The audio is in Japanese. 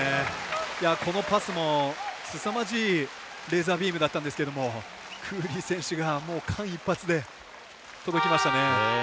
このパスも、すさまじいレーザービームだったんですけどクーリー選手が間一髪で届きましたね。